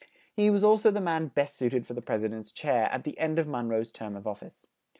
He al so was the man best suit ed for the Pres i dent's chair, at the end of Mon roe's term of of fice.